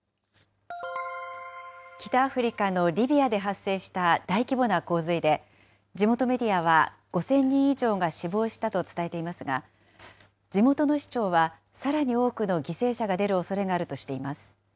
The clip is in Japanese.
北アフリカのリビアで発生した大規模な洪水で、地元メディアは５０００人以上が死亡したと伝えていますが、地元の市長は、さらに多くの犠牲者が出るおそれがあるとしています。